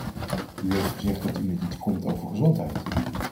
U heeft gezegd dat u met iets komt over gezondheid.